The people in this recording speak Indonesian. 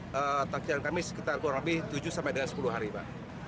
takjilan kami sekitar kurang lebih tujuh sampai dengan sepuluh hari pak